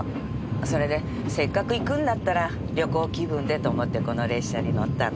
それでせっかく行くんだったら旅行気分でと思ってこの列車に乗ったの。